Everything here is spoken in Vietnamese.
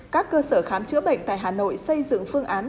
các cơ sở khám chữa bệnh tại hà nội xây dựng phương án